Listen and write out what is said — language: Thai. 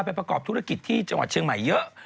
ประกอบธุรกิจที่จังหวัดเชียงใหม่เยอะ